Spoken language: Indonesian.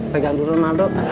pegang dulu nando